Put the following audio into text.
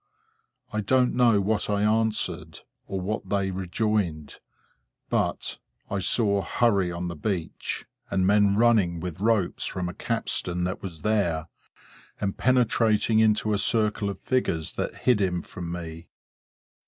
I don't know what I answered, or what they rejoined; but, I saw hurry on the beach, and men running with ropes from a capstan that was there, and penetrating into a circle of figures that hid him from me.